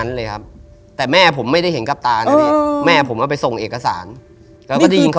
นี้คือจาก